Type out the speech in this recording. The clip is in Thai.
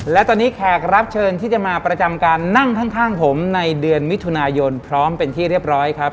และตอนนี้แขกรับเชิญที่จะมาประจำการนั่งข้างผมในเดือนมิถุนายนพร้อมเป็นที่เรียบร้อยครับ